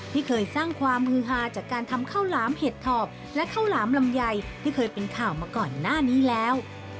ที่เคยสร้างความฮือฮาจากการทำข้าวหลามเห็ดถอบและข้าวหลามลำไยที่เคยเป็นข่าวมาก่อนหน้านี้แล้ว